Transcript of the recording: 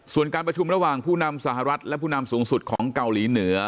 ส่วนการประชุมระหว่างผู้นำสหรัฐและผู้นำสูงสุดของเกาหลีเหนือ